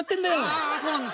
「ああそうなんですか」。